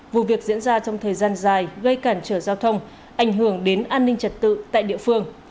vụ việc diễn ra trong thời gian dài gây cản trở giao thông ảnh hưởng đến an ninh trật tự tại địa phương